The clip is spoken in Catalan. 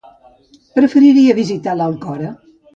Preferiria visitar l'Alcora.